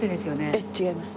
ええ違います。